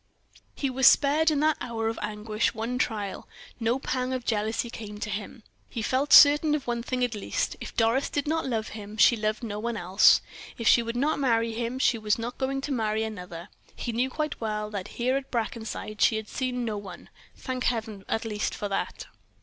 He was spared, in that hour of anguish, one trial; no pang of jealousy came to him; he felt certain of one thing, at least, if Doris did not love him, she loved no one else. If she would not marry him, she was not going to marry another. He knew quite well that here at Brackenside she had seen no one; thank Heaven at least for that.